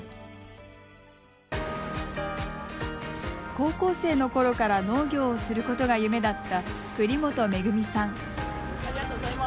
高校生のころから農業をすることが夢だった栗本めぐみさん。